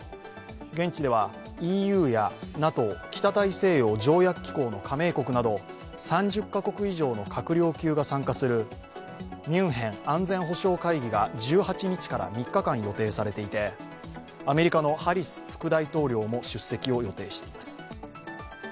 現地では、ＥＵやＮＡＴＯ＝北大西洋条約機構の加盟国など３０カ国以上の閣僚級が参加するミュンヘン安全保障会議が１８日から３日間予定されていてアメリカのハリス副大統領も出席を予定しています。